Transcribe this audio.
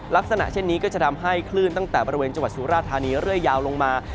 ลักษณะเช่นนี้ก็จะทำให้คลื่นตั้งแต่บริเวณจังหวัดสุราธานีเรื่อยยาวลงมา